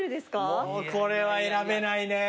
これは選べないね。